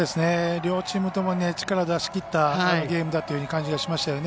両チームとも力を出しきったゲームという感じがしましたね。